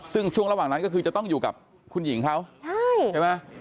ซึ่งช่วงระหว่างนั้นก็คือจะต้องอยู่กับคุณหญิงเขาใช่ไหม